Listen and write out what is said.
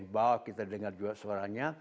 bahwa kita dengar juga suaranya